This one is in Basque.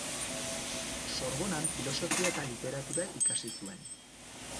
Sorbonan filosofia eta literatura ikasi zuen.